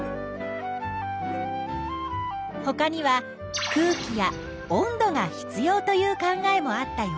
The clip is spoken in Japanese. ほかには空気や温度が必要という考えもあったよ。